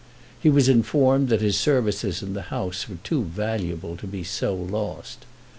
He was informed that his services in the House were too valuable to be so lost.